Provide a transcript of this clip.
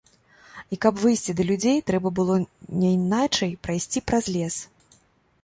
І каб выйсці да людзей, трэба было няйначай прайсці праз лес.